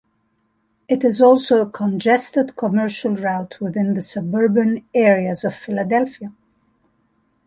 It is also a congested commercial route within the suburban areas of Philadelphia.